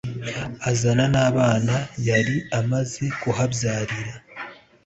azana n'abana yari amaze kuhabyarira.